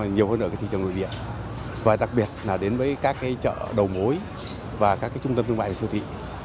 nhiều hơn ở cái thị trường nội địa và đặc biệt là đến với các cái chợ đầu mối và các cái trung tâm thương mại của siêu thị